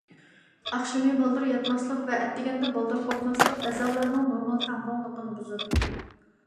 ئاخشىمى بالدۇر ياتماسلىق ۋە ئەتىگەندە بالدۇر قوپماسلىق ئەزالارنىڭ نورمال تەڭپۇڭلۇقىنى بۇزىدۇ.